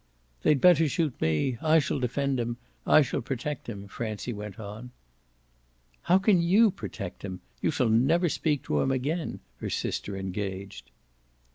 "They'd better shoot me. I shall defend him. I shall protect him," Francie went on. "How can you protect him? You shall never speak to him again!" her sister engaged.